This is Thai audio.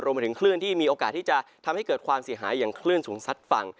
มาถึงคลื่นที่มีโอกาสที่จะทำให้เกิดความเสียหายอย่างคลื่นสูงซัดฝั่ง